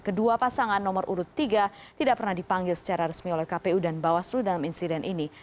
kedua pasangan nomor urut tiga tidak pernah dipanggil secara resmi oleh kpu dan bawaslu dalam insiden ini